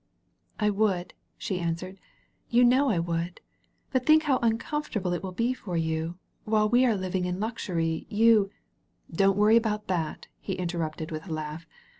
"I would," she answered, "you know I would. But think how uncomfortable it will be for you. While we are living in luxury, you " "Don't worry about that," he interrupted with a laugh.